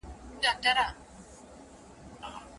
د کومو درو شیانو ټوکې جدي ګڼل کیږي؟